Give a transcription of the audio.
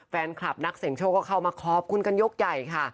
แฟนคลับนักเสียงโชคก็เข้ามาขอบคุณกันยกใหญ่ค่ะ